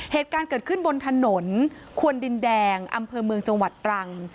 เหตุการณ์เกิดขึ้นบนถนนควนดินแดงอำเภอเมืองจังหวัดตรัง